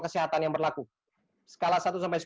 kesehatan yang berlaku skala satu sampai sepuluh